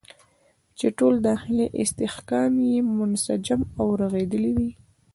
چې ټول داخلي استحکام یې منسجم او رغېدلی وي.